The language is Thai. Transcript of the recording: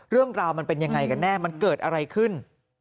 เรื่องราวมันเป็นยังไงกันแน่มันเกิดอะไรขึ้น